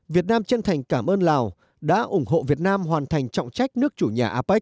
việt nam chân thành cảm ơn lào đã ủng hộ việt nam hoàn thành trọng trách nước chủ nhà apec